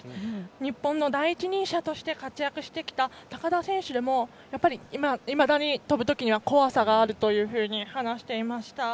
日本の第一人者として活躍してきた高田選手でもいまだに跳ぶときには怖さがあると話していました。